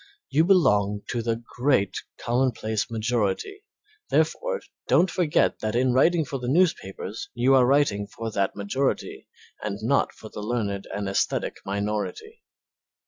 You belong to the great commonplace majority, therefore don't forget that in writing for the newspapers you are writing for that majority and not for the learned and aesthetic minority.